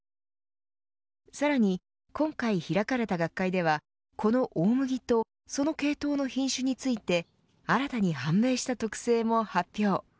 さらに、今回開かれた学会ではこの大麦とその系統の品種について新たに判明した特性も発表。